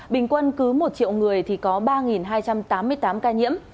bình quân cứ một triệu người thì có ba hai trăm tám mươi tám ca nhiễm